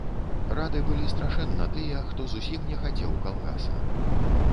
Рады былі страшэнна тыя, хто зусім не хацеў калгаса.